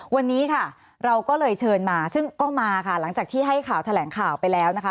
วันนี้ค่ะเราก็เลยเชิญมาซึ่งก็มาค่ะหลังจากที่ให้ข่าวแถลงข่าวไปแล้วนะคะ